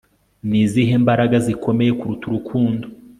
ni izihe mbaraga zikomeye kuruta urukundo